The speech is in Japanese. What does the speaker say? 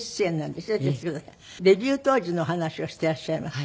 デビュー当時の話をしていらっしゃいます。